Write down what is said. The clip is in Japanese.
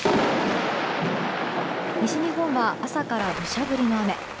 西日本は朝から土砂降りの雨。